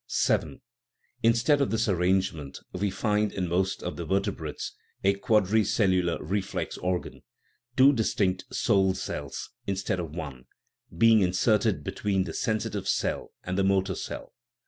VII. Instead of this arrangement we find in most of the vertebrates a quadricellular reflex organ, two dis tinct " soul cells," instead of one, being inserted be tween the sensitive cell and the motor cell.